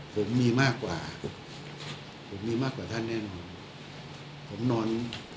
ผมมีมากกว่าผมมีมากกว่าท่านแน่นอนผมนอน